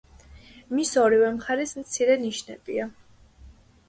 მის ორივე მხარეს მცირე ნიშებია.